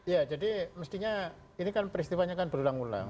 ya jadi mestinya ini kan peristiwanya kan berulang ulang